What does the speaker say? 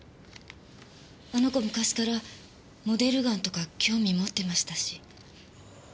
あの子昔からモデルガンとか興味持ってましたし。